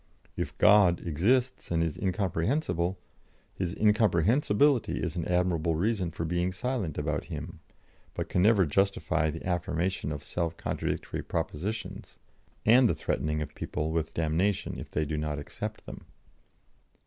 If 'God' exists and is incomprehensible, His incomprehensibility is an admirable reason for being silent about Him, but can never justify the affirmation of self contradictory propositions, and the threatening of people with damnation if they do not accept them."